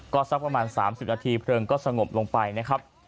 ก็สักประมาณ๓๐นาทีเพลิงก็สงบลงไปนะครับ